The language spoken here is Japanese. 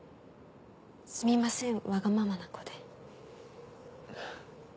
すみませんわがままな子で。